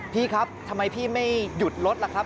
พี่ครับทำไมพี่ไม่หยุดรถล่ะครับ